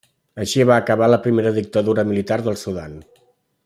Així ca acabar la primera dictadura militar del Sudan.